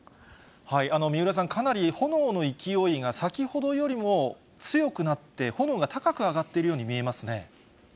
三浦さん、かなり炎の勢いが、先ほどよりも強くなって、炎が高く上がっているように見えますね。